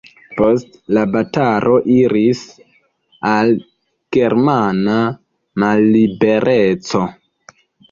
Post la batalo iris al germana mallibereco.